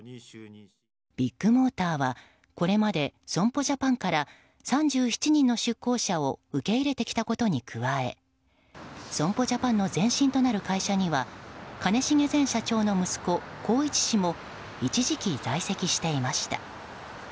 ビッグモーターはこれまで損保ジャパンから３７人の出向者を受け入れてきたことに加え損保ジャパンの前身となる会社には兼重前社長の息子・宏一氏も一時期、在籍していました。